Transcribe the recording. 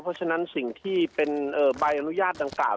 เพราะฉะนั้นสิ่งที่เป็นใบอนุญาตดังกล่าว